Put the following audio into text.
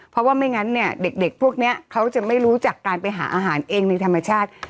เพราะว่าไม่งั้นเนี่ยเด็กพวกนี้เขาจะไม่รู้จักการไปหาอาหารเองในธรรมชาติ